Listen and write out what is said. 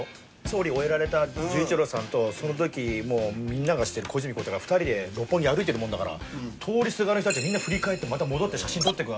総理終えられた純一郎さんとそのときもうみんなが知ってる小泉孝太郎が２人で六本木歩いてるもんだから通りすがりの人たちみんな振り返ってまた戻って。